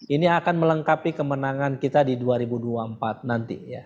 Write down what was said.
ini akan melengkapi kemenangan kita di dua ribu dua puluh empat nanti ya